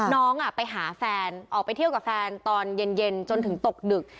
น้องไปหาแฟนออกไปเที่ยวกับแฟนตอนเย็นจนถึงตกดึก